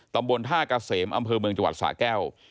ตำบลท่าเกษมอำเภอเมืองจังหวัดสะแก้ว